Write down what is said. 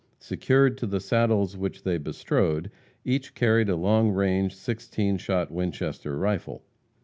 Secured to the saddles which they bestrode, each carried a long range sixteen shot Winchester rifle.